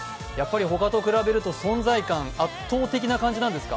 他と比べると存在感、圧倒的な感じなんですか？